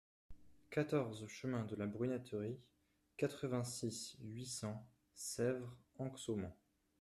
quatorze chemin de la Brunetterie, quatre-vingt-six, huit cents, Sèvres-Anxaumont